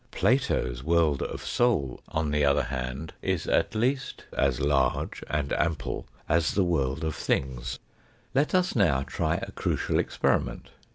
Plato's world of soul, on the other hand, is at least as large and ample as the world of things. Let us now try a crucial experiment.